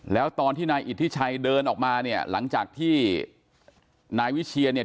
แล้วตอนที่นายอิทธิชัยเดินออกมาเนี่ยหลังจากที่นายวิเชียเนี่ย